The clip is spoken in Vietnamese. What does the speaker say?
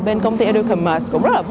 bên công ty educommerce cũng rất là vất vả